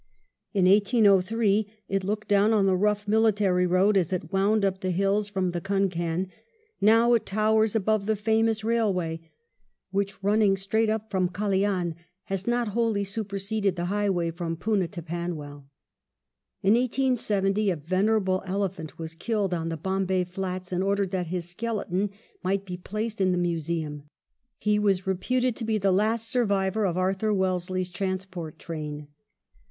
In 1803 it looked down on the rough military road as it wound up the hills from the Concan ; now it towers above the famous railway which, running straight up from Callian, has not wholly super seded the highway from Poona to PanwelL In 1870 a venerable elephant was killed on the Bombay flats in order that his skeleton might be placed in the Museum. He was reputed to be the last survivor of Arthur Wellesley's transport train.